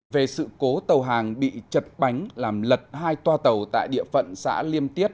về sự cố tàu hàng bị chật bánh làm lật hai toa tàu tại địa phận xã liêm tiết